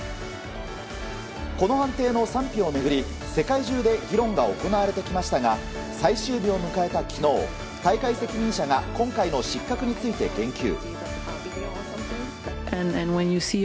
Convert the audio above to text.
この判定の賛否を巡り、世界中で議論が行われてきましたが最終日を迎えた昨日大会責任者が今回の失格について言及。